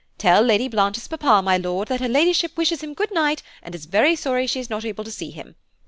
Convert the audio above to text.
Tell Lady Blanche's papa, my Lord, that her Ladyship wishes him good night, and is very sorry she is not able to see him.